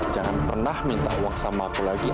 jangan pernah minta uang sama aku lagi